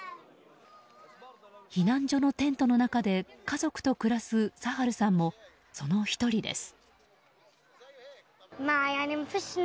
避難所のテントの中で家族と暮らすサハルさんもその１人です。